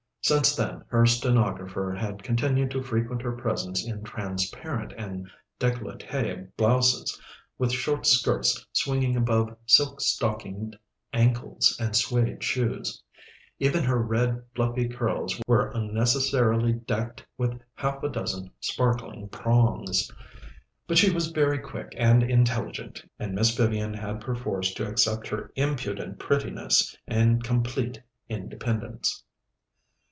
Since then her stenographer had continued to frequent her presence in transparent and décolletées blouses, with short skirts swinging above silk stockinged ankles and suede shoes. Even her red, fluffy curls were unnecessarily decked with half a dozen sparkling prongs. But she was very quick and intelligent, and Miss Vivian had perforce to accept her impudent prettiness and complete independence.